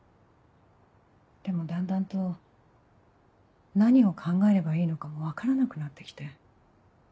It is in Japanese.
でもだんだんと何を考えればいいのかも分からなくなってきて。